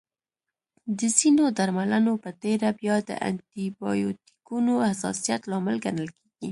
د ځینو درملنو په تېره بیا د انټي بایوټیکونو حساسیت لامل ګڼل کېږي.